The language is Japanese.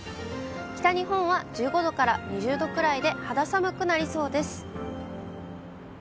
北日本は１５度から２０度くらいで、肌寒くなりそうです。